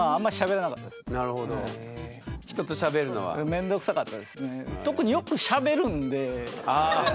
面倒くさかったですね。